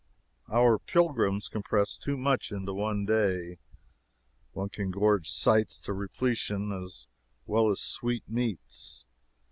Our pilgrims compress too much into one day. One can gorge sights to repletion as well as sweetmeats.